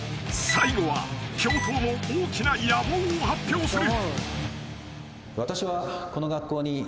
［最後は教頭の大きな野望を発表する］